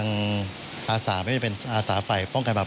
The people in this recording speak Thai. ก็ให้ยกเลิกให้นะครับ